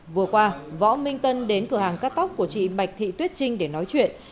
vừa qua võ minh tân đến cửa hàng cắt tóc của chị bạch thị tuyết trinh để nói chuyện